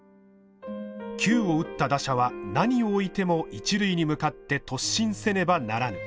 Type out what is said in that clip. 「球を打った打者は何をおいても一塁に向かって突進せねばならぬ」。